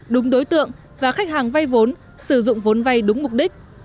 đúng đối tượng và khách hàng vay vốn sử dụng vốn vay đúng mục đích